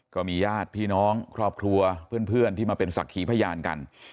ก็มีญาติพี่น้องครอบครัวเพื่อนที่มาเป็นศักดิ์ขีพยานกัน